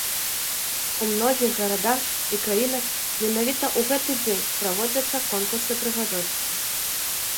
У многіх гарадах і краінах менавіта ў гэты дзень праводзяцца конкурсы прыгажосці.